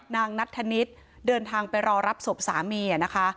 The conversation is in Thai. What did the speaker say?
นางนัทธนิษฐ์เดินทางไปรอรับศพสามีนะคะ